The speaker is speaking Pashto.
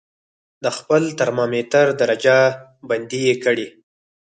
د خپل ترمامتر درجه بندي یې کړئ.